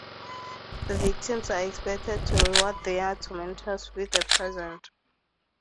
The victims are expected to reward their tormentors with a present.